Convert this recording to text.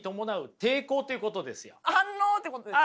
反応ってことですか？